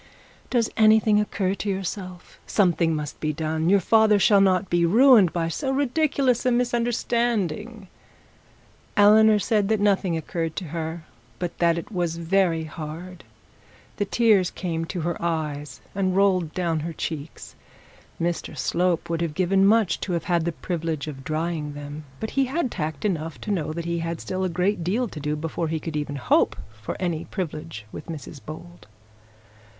Does anything occur to yourself? Something must be done. Your father shall not be ruined by so ridiculous a misunderstanding.' Eleanor said that nothing occurred to her, but that it was very hard; and the tears came to her eyes and rolled down her cheeks. Mr Slope would have given much to have had the privilege of drying them; but he had tact enough to know that he had still a great deal to do before he could even hope for any privilege with Mrs Bold.